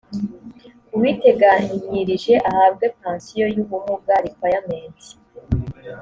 uwiteganyirije ahabwe pansiyo y ubumuga requirements